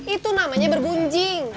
itu namanya bergunjing